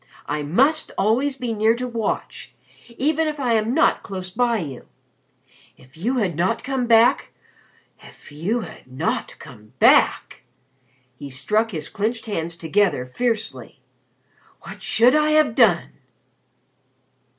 I must always be near to watch, even if I am not close by you. If you had not come back if you had not come back!" He struck his clenched hands together fiercely. "What should I have done!"